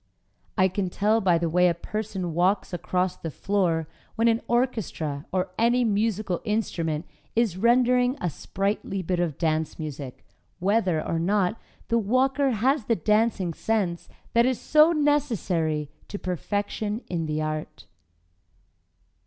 I can tell by the way a person walks across the floor when an orchestra or any musical instrument is rendering a sprightly bit of dance music, whether or not the walker has the dancing sense that is so necessary to perfection in the art.